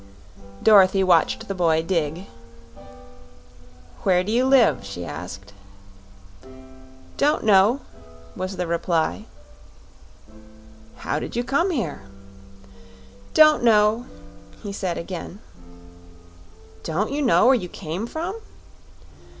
Dorothy watched the boy dig. "Where do you live?" she asked. "Don't know," was the reply. "How did you come here?" "Don't know," he said again. "Don't you know where you came from?"